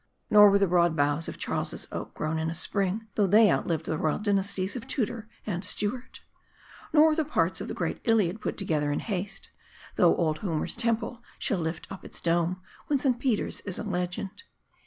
Nor were the broad boughs of Charles' Oak grown in a spring ; though they outlived the royal dynasties of Tudor and Stuart. Nor. were the parts of the great Iliad put together in haste ; though old Homer's temple shall lift up its dome, when St. Peter's is a legend.